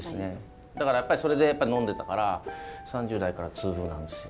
だからやっぱりそれで呑んでたから３０代から痛風なんですよ。